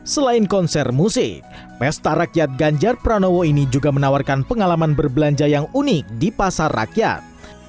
selain konser musik pesta rakyat ganjar pranowo ini juga menawarkan pengalaman berbelanja yang unik di pasar rakyat